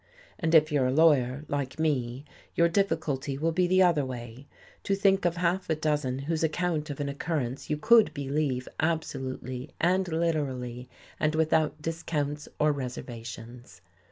And if you're a lawyer like me, your diffi culty will be the other way; to think of half a dozen whose account of an occurrence you could be lieve absolutely and literally and without discounts or reservations.